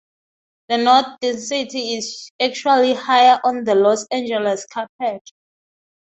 The knot density is actually higher on the Los Angeles carpet.